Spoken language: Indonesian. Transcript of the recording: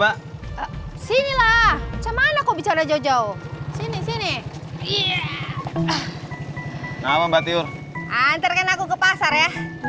hai sini lah cuman aku bicara jauh jauh sini sini iya nah mbak tiur antar kan aku ke pasar ya